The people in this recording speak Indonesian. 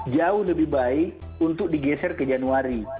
jauh lebih baik untuk digeser ke januari